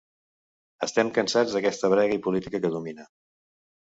Estem cansats d'aquesta brega i política que domina.